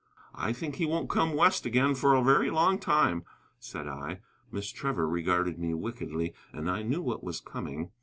"I think he won't come West again for a very long time," said I. Miss Trevor regarded me wickedly, and I knew what was coming.